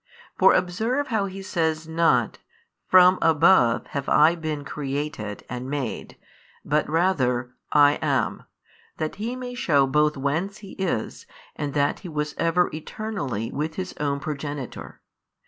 For observe how He says not, From above have I been created and made, but rather, I am, that He may shew both whence He is and that He was ever Eternally with His own Progenitor.